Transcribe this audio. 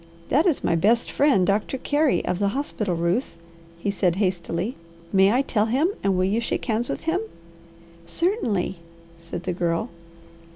"That is my best friend, Doctor Carey, of the hospital, Ruth," he said hastily. "May I tell him, and will you shake hands with him?" "Certainly!" said the Girl.